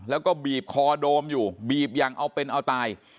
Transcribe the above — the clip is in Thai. แล้วก็บีบคอโดมอยู่บีบอย่างเอาเป็นเอาตาย